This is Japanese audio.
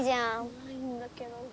ないんだけど。